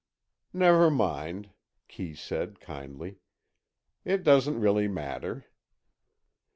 "Never mind," Kee said, kindly, "it doesn't really matter."